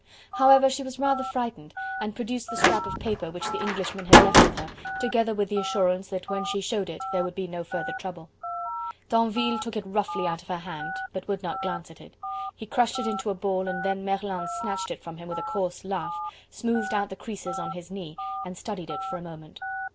However, she was rather frightened, and produced the scrap of paper which the Englishman had left with her, together with the assurance that when she showed it there would be no further trouble. Tinville took it roughly out of her hand, but would not glance at it. He crushed it into a ball and then Merlin snatched it from him with a coarse laugh, smoothed out the creases on his knee and studied it for a moment.